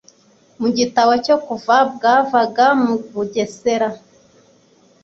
mu gitabo cyo kuva bwavaga mu bugesera.